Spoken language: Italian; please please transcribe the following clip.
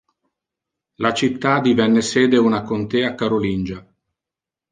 La città divenne sede una contea carolingia.